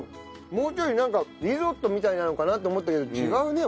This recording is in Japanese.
もうちょいリゾットみたいなのかなと思ったけど違うね。